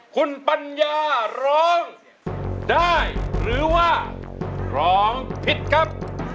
คุณปัญญาร้องได้หรือว่าร้องผิดครับ